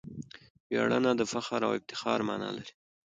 ویاړنه دفخر او افتخار مانا لري.